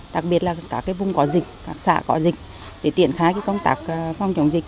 đặc biệt là các vùng có dịch các xã có dịch để triển khai công tác phòng chống dịch